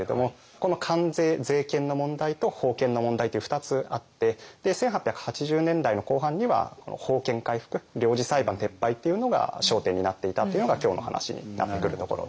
この関税税権の問題と法権の問題っていう２つあって１８８０年代の後半には法権回復領事裁判撤廃っていうのが焦点になっていたっていうのが今日の話になってくるところですよね。